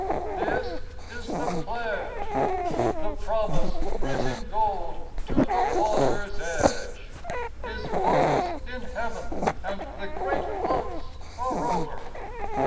This is the pledge i The promise writ in gold to the water's edge : His bow's in Heaven and the great floods are over.